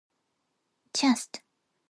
Christ.